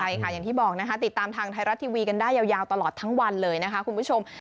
ใช่ค่ะอย่างที่บอกนะคะติดตามทางไทยรัฐทีวีกันได้ยาวตลอดทั้งวันเลยนะคะคุณผู้ชม